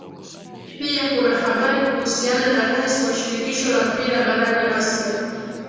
pia kuna habari kuhusiana na rais wa shirikisho la mpira barani asia